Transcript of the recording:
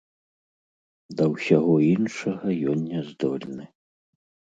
Да ўсяго іншага ён не здольны.